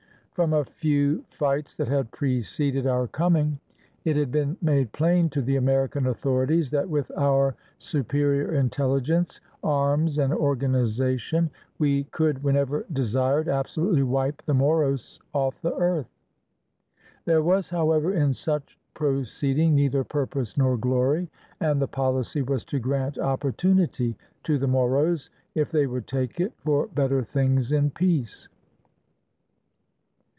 From a few fights that had preceded our coming, it had been made plain to the American authorities that with our superior intelligence, arms, and organization we could, whenever desired, absolutely wipe the Moros off the earth. There was, however, in such proceeding neither purpose nor glory, and the policy was to grant opportunity to the Moros, if they would take it, for better things in peace.